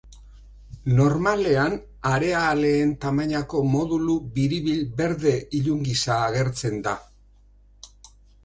Normalean harea-aleen tamainako nodulu biribil berde ilun gisa agertzen da.